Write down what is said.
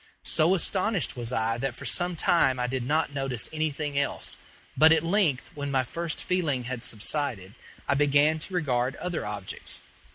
So astonished was I that for some time I did not notice anything else; but at length, when my first feeling had subsided, I began to regard other objects.